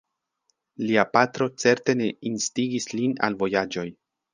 Lia patro certe ne instigis lin al vojaĝoj.